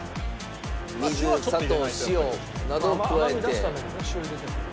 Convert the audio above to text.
水砂糖塩などを加えて。